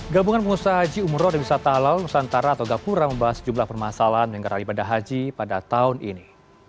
gabungan pengusaha haji umroh dan wisata halal nusantara atau gapura membahas jumlah permasalahan dengan ibadah haji pada tahun ini